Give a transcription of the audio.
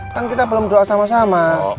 kan kita belum doa sama sama